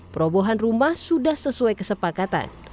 perobohan rumah sudah sesuai kesepakatan